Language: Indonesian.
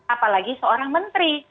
apalagi seorang menteri